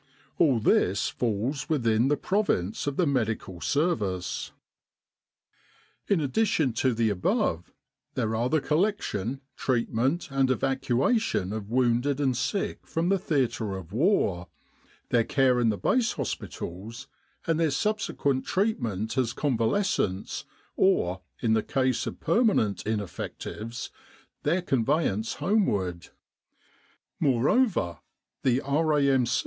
All this falls within the province of the Medical Service. In addition to the above, there are the collection, treatment, and evacuation of wounded and sick from the theatre of war, their care in the base hospitals, and their subsequent treatment as convalescents or, in the case of permanent ineffectives, their convey ance homeward. Moreover, the R.A.M.